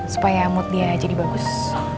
supaya mood dia jadi bagus